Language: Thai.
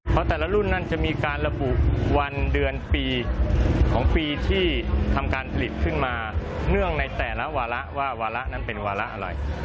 เพราะแต่ละรุ่นนั้นจะมีการระบุวันเดือนปีของปีที่ทำการผลิตขึ้นมาเนื่องในแต่ละวาระว่าวาระนั้นเป็นวาระอะไร